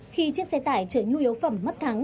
khi chiếc xe tải chở nhu yếu phẩm mất thắng